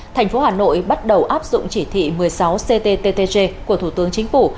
thành phố hà nội bắt đầu áp dụng chỉ thị một mươi sáu cttg của thủ tướng chính phủ